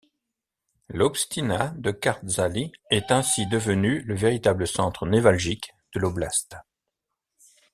L’obština de Kărdžali est ainsi devenue le véritable centre névralgique de l’oblast.